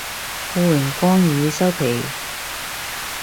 願榮光已收皮